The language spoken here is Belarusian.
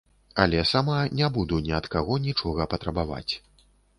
Але сама не буду ні ад каго нічога патрабаваць.